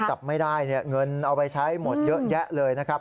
จับไม่ได้เนี่ยเงินเอาไปใช้หมดเยอะแยะเลยนะครับ